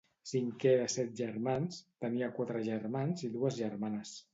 Cinquè de set germans, tenia quatre germans i dues germanes.